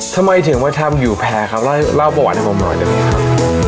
ทำไมถึงมาทำอยู่แพร่ครับเล่าประวัติให้ผมหน่อยได้ไหมครับ